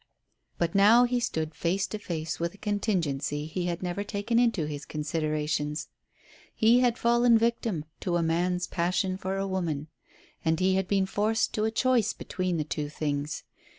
But now he stood face to face with a contingency he had never taken into his considerations. He had fallen a victim to man's passion for a woman; and he had been forced to a choice between the two things.